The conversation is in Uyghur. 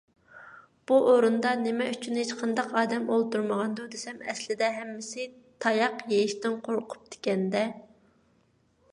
_ بۇ ئورۇندا نېمە ئۈچۈن ھېچقانداق ئادەم ئولتۇرمىغاندۇ دېسەم، ئەسلىدە ھەممىسى تاياق يېيىشتىن قورقۇپتىكەن - دە.